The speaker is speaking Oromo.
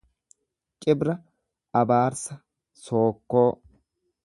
Cibra abaarsa, sookkoo.